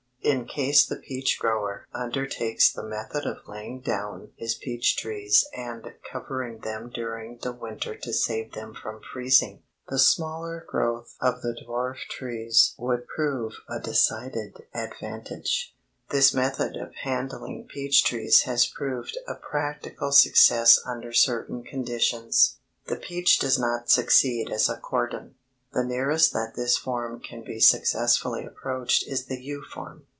In case the peach grower undertakes the method of laying down his peach trees and covering them during the winter to save them from freezing, the smaller growth of the dwarf trees would prove a decided advantage. This method of handling peach trees has proved a practical success under certain conditions. [Illustration: FIG. 32 DWARF PEACH IN NURSERY Headed back and formed into bushes] The peach does not succeed as a cordon. The nearest that this form can be successfully approached is the U form.